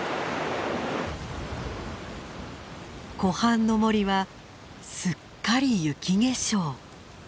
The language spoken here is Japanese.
湖畔の森はすっかり雪化粧。